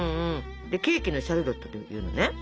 ケーキの「シャルロット」っていうのはね